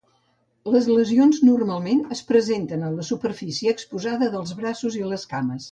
Les lesions normalment es presenten en la superfície exposada dels braços i les cames.